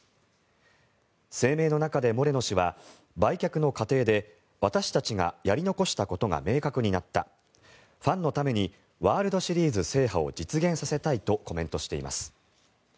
声明の中でモレノ氏は売却の過程で私たちがやり残したことが明確になったファンのためにワールドシリーズ制覇を実現させたいとコメントしています。